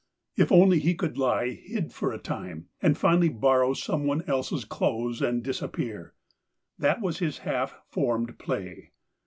If only he could lie hid for a time, and finally borrow some one else's clothes and disappear — that was his half formed play.